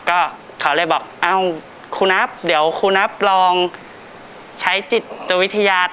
ก็เขาเลยบอกเอ้าครูนับเดี๋ยวครูนับลองใช้จิตวิทยา